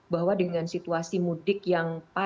bahwa dengan situasi mudik yang